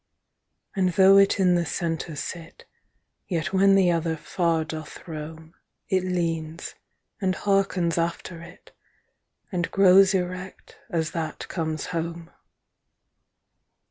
And though it in the center sit, Yet when the other far doth rome, 30 It leanes, and hearkens after it, And growes erect, as that comes home.